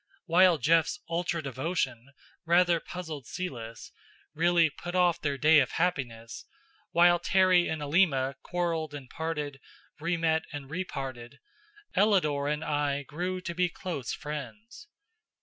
While Jeff's ultra devotion rather puzzled Celis, really put off their day of happiness, while Terry and Alima quarreled and parted, re met and re parted, Ellador and I grew to be close friends.